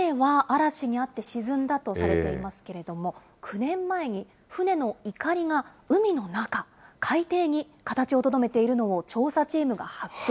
船は嵐に遭って沈んだとされていますけれども、９年前に、船のいかりが、海の中、海底に形をとどめているのを調査チームが発見。